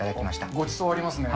ごちそうありますね。